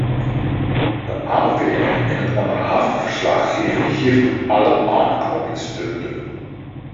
De aanbevelingen in het onderhavige verslag geven hiertoe alle aanknopingspunten.